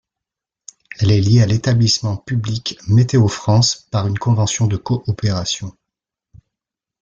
Elle est liée à l'établissement public Météo-France par une convention de coopération.